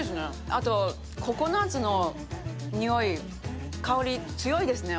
あと、ココナッツの匂い、香りが強いですね。